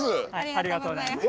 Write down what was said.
ありがとうございます。